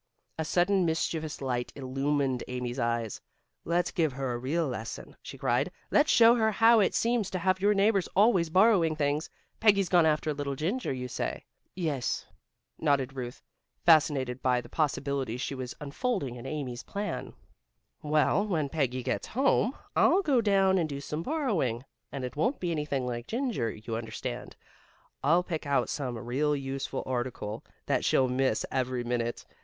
A sudden mischievous light illumined Amy's eyes. "Let's give her a real lesson," she cried. "Let's show her how it seems to have your neighbors always borrowing things. Peggy's gone after a little ginger, you say?" "Yes," nodded Ruth fascinated by the possibilities she saw unfolding in Amy's plan. "Well, when Peggy gets home, I'll go down and do some borrowing. And it won't be anything like ginger, you understand. I'll pick out some real useful article, that she'll miss every minute.